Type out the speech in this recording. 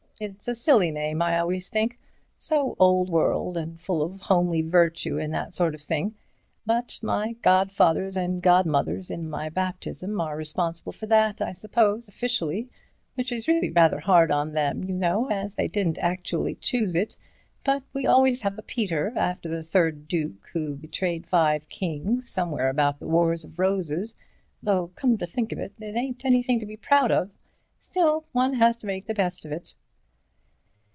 It's a silly name, I always think, so old world and full of homely virtue and that sort of thing, but my godfathers and godmothers in my baptism are responsible for that, I suppose, officially—which is rather hard on them, you know, as they didn't actually choose it. But we always have a Peter, after the third duke, who betrayed five kings somewhere about the Wars of the Roses, though come to think of it, it ain't anything to be proud of. Still, one has to make the best of it."